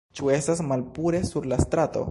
Ĉu estas malpure sur la strato?